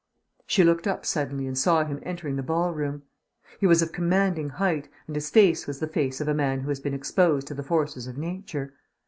She looked up suddenly and saw him entering the ball room. He was of commanding height and his face was the face of a man who has been exposed to the forces of Nature.